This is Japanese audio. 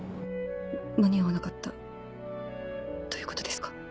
間に合わなかったということですか？